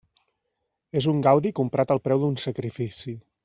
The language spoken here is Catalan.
És un gaudi comprat al preu d'un sacrifici.